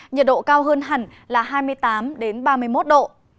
nhiệt độ cao hơn hẳn là hai mươi tám ba mươi một độ